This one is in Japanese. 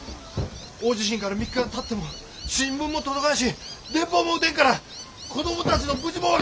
大地震から３日たっても新聞も届かんし電報も打てんから子どもたちの無事も分からん！